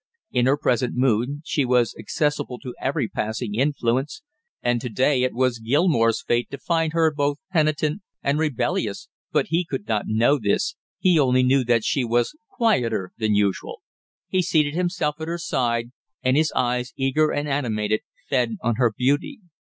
In her present mood, she was accessible to every passing influence, and to day it was Gilmore's fate to find her both penitent and rebellious, but he could not know this, he only knew that she was quieter than usual. He seated himself at her side, and his eyes, eager and animated, fed on her beauty.